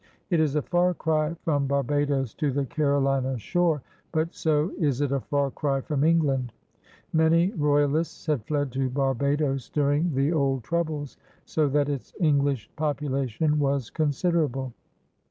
It is a far cry from Barbados to the Carolina shore, but so is it a far cry from England. Many royalists had fled to Barbados during the ■ad^«HMIIB«A. THE CABOUNAS 90S old troubles, so that its English population was considerable.